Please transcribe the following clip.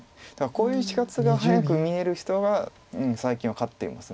こういう死活が早く見える人が最近は勝っています。